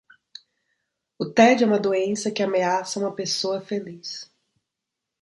O tédio é uma doença que ameaça uma pessoa feliz.